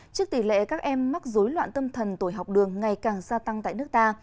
trước tỷ lệ các em mắc dối loạn tâm thần tồi học đường ngày càng gia tăng tại nước ta